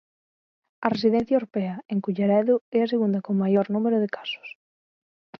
A residencia Orpea, en Culleredo, é a segunda con maior número de casos.